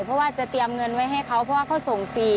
เพราะว่าจะเตรียมเงินไว้ให้เขาเพราะว่าเขาส่งฟรี